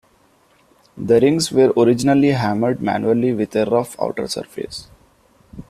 The Rings were originally hammered manually with a rough outer surface.